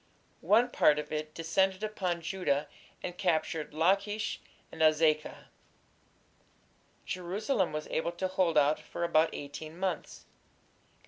One part of it descended upon Judah and captured Lachish and Azekah. Jerusalem was able to hold out for about eighteen months.